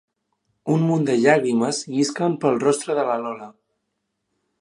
Un munt de llàgrimes llisquen pel rostre de la Lola.